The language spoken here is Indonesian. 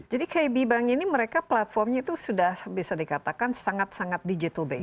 jadi kb bank ini mereka platformnya itu sudah bisa dikatakan sangat sangat digital based